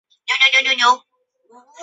多花繁缕是石竹科繁缕属的植物。